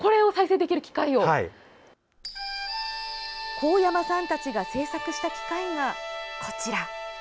神山さんたちが製作した機械が、こちら。